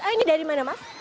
ini dari mana mas